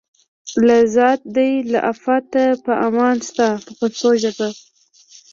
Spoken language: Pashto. لکه ذات دی له آفته په امان ستا په پښتو ژبه.